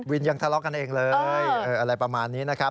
ยังทะเลาะกันเองเลยอะไรประมาณนี้นะครับ